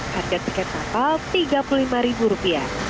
harga tiket kapal rp tiga puluh lima